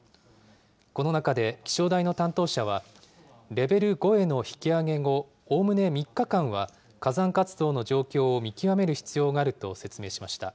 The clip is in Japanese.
この中で、気象台の担当者はレベル５への引き上げ後、おおむね３日間は、火山活動の状況を見極める必要があると説明しました。